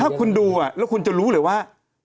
ถ้าคุณดูแล้วคุณจะรู้เลยว่า